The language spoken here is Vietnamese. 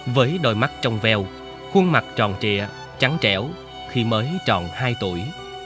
với đôi mắt trong veo khuôn mặt tròn trịa trắng chẻo khi mới tròn hai tuổi